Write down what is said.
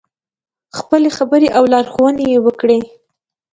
خپلې خبرې او لارښوونې یې وکړې.